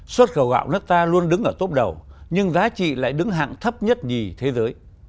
xuất khẩu gạo nước ta luôn đứng ở tốp đầu nhưng giá trị lại đứng hạng thấp nhất nhì thế giới